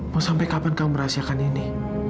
mau sampai kapan kamu merahasiakan ini